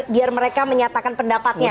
biar mereka menyatakan pendapatnya